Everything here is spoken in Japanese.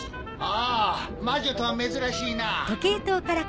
あぁ魔女とは珍しいな。